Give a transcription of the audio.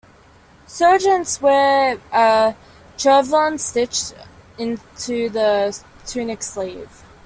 Sergeants wear a chevron stitched onto the tunic sleeve.